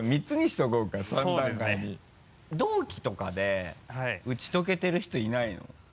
同期とかで打ち解けてる人いないの？